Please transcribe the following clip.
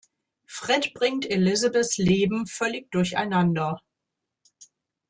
Fred bringt Elizabeths Leben völlig durcheinander.